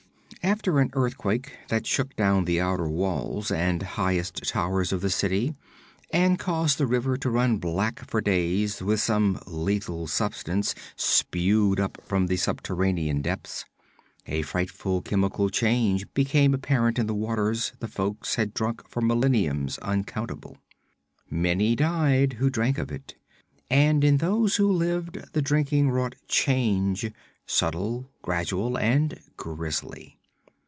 After an earthquake that shook down the outer walls and highest towers of the city, and caused the river to run black for days with some lethal substance spewed up from the subterranean depths, a frightful chemical change became apparent in the waters the folk had drunk for millenniums uncountable. Many died who drank of it; and in those who lived, the drinking wrought change, subtle, gradual and grisly.